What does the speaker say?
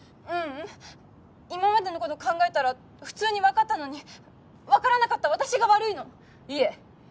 ううん今までのこと考えたら普通に分かったのに分からなかった私が悪いのいえ